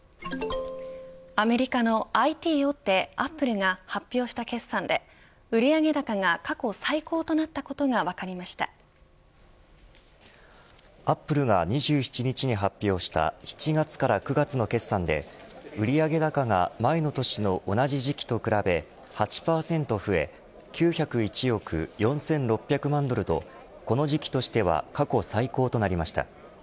アメリカのＩＴ大手アップルが発表した決算で売上高が過去最高となったことがアップルが２７日に発表した７月から９月の決算で売り上げ高が前の年の同じ時期と比べ８％増え９０１億４６００万ドルとこの時期としては過去最高となりました。